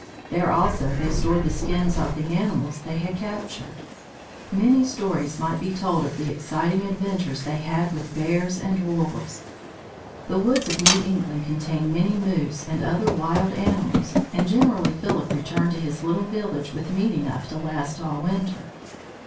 There also they stored the skins of the animals they had captured. Many stories might be told of the exciting adventures they had with bears and wolves. The woods of New England contained many moose and other wild animals, and generally Philip returned to his little village with meat enough to last all winter.